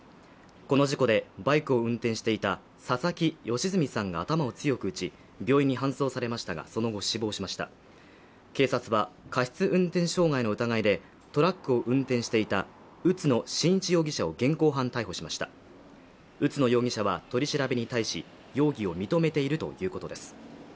この事故でバイクを運転していた佐々木嘉純さんが頭を強く打ち病院に搬送されましたがその後死亡しました警察は過失運転傷害の疑いでトラックを運転していた宇都野晋一容疑者を現行犯逮捕しました宇都野容疑者は取り調べに対し容疑を認めているということです